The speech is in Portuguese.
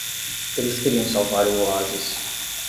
Eles queriam salvar o oásis.